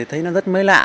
thì thấy nó rất mới lạ